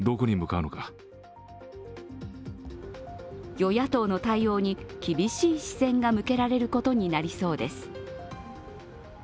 与野党の対応に厳しい視線が向けられることになりそうです。